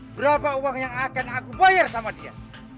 berapa uang yang akan aku bayar sama dia